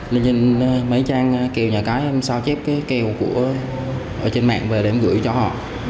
nên nhìn mấy trang kèo nhà cái em sao chép cái kèo ở trên mạng về để gửi cho họ